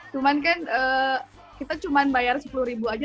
cuman kan kita cuma bayar sepuluh ribu aja